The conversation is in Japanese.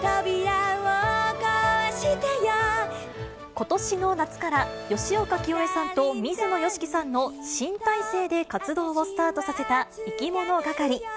ことしの夏から、吉岡聖恵さんと水野良樹さんの新体制で活動をスタートさせた、いきものがかり。